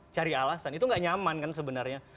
cari alasan itu gak nyaman kan sebenarnya